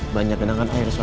banyak benangkan air soal